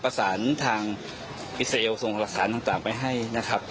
ประสานทางอิสราเอลส่งหลักฐานต่างไปให้นะครับ